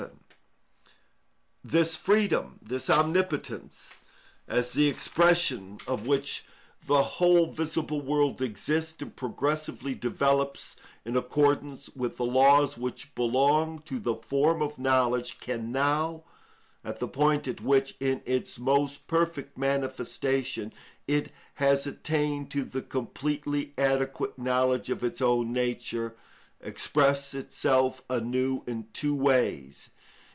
§ 56. This freedom, this omnipotence, as the expression of which the whole visible world exists and progressively develops in accordance with the laws which belong to the form of knowledge, can now, at the point at which in its most perfect manifestation it has attained to the completely adequate knowledge of its own nature, express itself anew in two ways.